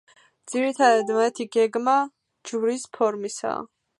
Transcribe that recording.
ძირითადად მათი გეგმა ჯვრის ფორმისაა.